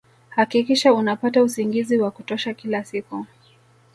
Hakikisha unapata usingizi wa kutosha kila siku